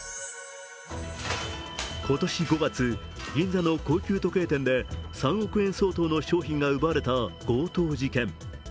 今年５月、銀座の高級時計店で３億円相当の商品が奪われた強盗事件。